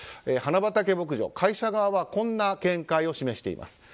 花畑牧場、会社側はこんな見解を示しています。